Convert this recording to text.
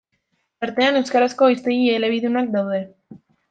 Tartean, euskarazko hiztegi elebidunak daude.